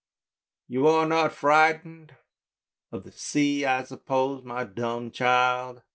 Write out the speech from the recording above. " You are not frightened of the sea, I suppose, my| dumb child?